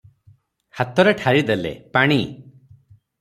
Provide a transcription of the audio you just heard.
ହାତରେ ଠାରିଦେଲେ - ପାଣି ।